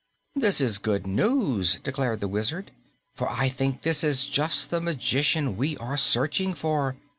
"This is good news," declared the Wizard, "for I think this is just the magician we are searching for.